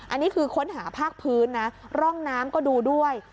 อันนี้คือค้นหาภาคพื้นนะร่องน้ำก็ดูด้วย